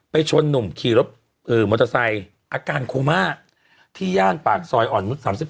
ชนหนุ่มขี่รถมอเตอร์ไซค์อาการโคม่าที่ย่านปากซอยอ่อนนุษย๓๑